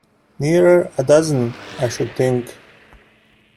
Nearer a dozen, I should think.